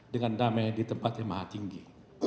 dengan damai di tempat yang maha tinggi